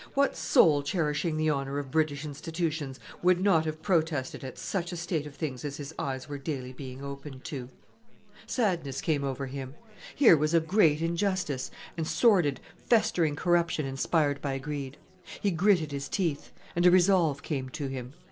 What soul cherishing the honour of British institutions would not have protested at such a state of things as his eyes were daily being opened to? Sadness came over him. Here was a great injustice, and sordid, festering corruption, inspired by greed. He gritted his teeth and a resolve came to him.